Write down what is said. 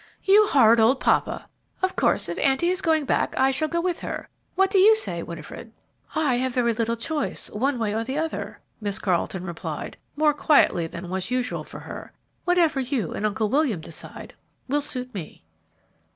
'" "You horrid old papa! Of course, if auntie is going back, I shall go with her. What do you say, Winifred?" "I have very little choice, one way or the other," Miss Carleton replied, more quietly than was usual for her; "whatever you and Uncle William decide, will suit me."